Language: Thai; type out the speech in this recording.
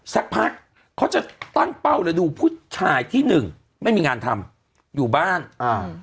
สักพักเขาจะตั้งเป้าเลยดูผู้ชายที่หนึ่งไม่มีงานทำอยู่บ้านอ่า